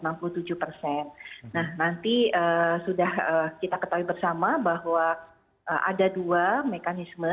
nah nanti sudah kita ketahui bersama bahwa ada dua mekanisme